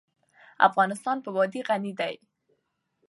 افغانستان په وادي غني دی.